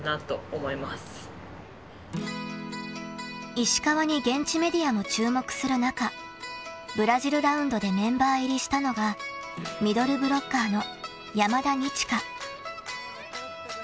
［石川に現地メディアも注目する中ブラジルラウンドでメンバー入りしたのがミドルブロッカーの］